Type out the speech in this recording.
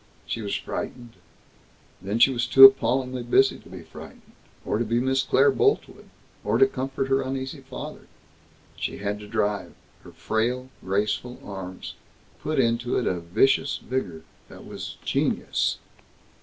She was frightened. Then she was too appallingly busy to be frightened, or to be Miss Claire Boltwood, or to comfort her uneasy father. She had to drive. Her frail graceful arms put into it a vicious vigor that was genius.